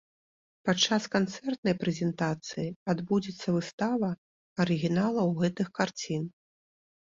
Падчас канцэртнай прэзентацыі адбудзецца выстава арыгіналаў гэтых карцін.